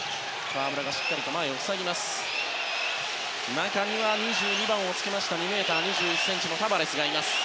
中には２２番をつけました２ｍ２１ｃｍのタバレスがいます。